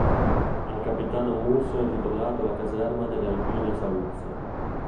Al capitano Musso è intitolata la Caserma degli alpini a Saluzzo.